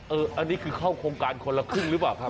อันนี้คือเข้าโครงการคนละครึ่งหรือเปล่าครับ